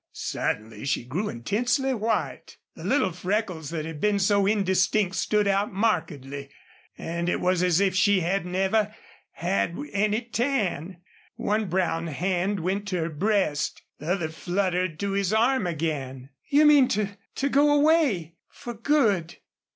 Suddenly she grew intensely white. The little freckles that had been so indistinct stood out markedly, and it was as if she had never had any tan. One brown hand went to her breast, the other fluttered to his arm again. "You mean to to go away for good."